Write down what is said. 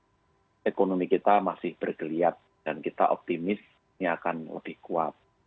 misalnya kita melihat saat ini ekonomi kita masih bergeliat dan kita optimis ini akan lebih kuat